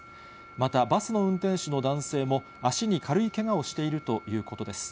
また、バスの運転手の男性も足に軽いけがをしているということです。